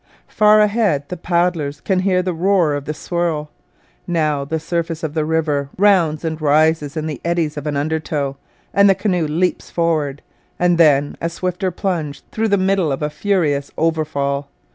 Far ahead the paddlers can hear the roar of the swirl. Now the surface of the river rounds and rises in the eddies of an undertow, and the canoe leaps forward; then, a swifter plunge through the middle of a furious overfall.